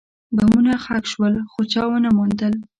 بمونه ښخ شول، خو چا ونه موندل.